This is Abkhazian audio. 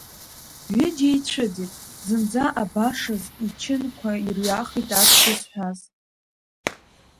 Ҩыџьа еицәыӡит зынӡа абашаз, ичынқәа ирҩахеит ацәгьа зҳәаз.